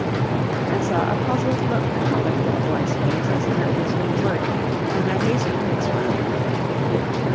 I saw a puzzled look come over the little boy's face as he heard this new word, and I hastened to explain it.